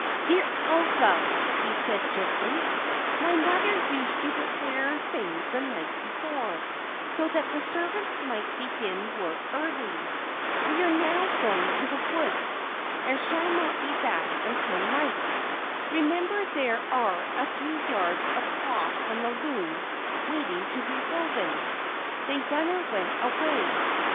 "Dear Elsa," he said gently, "my mother used to prepare things the night before, so that the servants might begin work early. We are now going to the woods, and shall not be back until night. Remember there are a few yards of cloth on the loom waiting to be woven." Then Gunner went away.